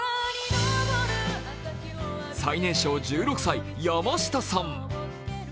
最年少１６歳、山下さん。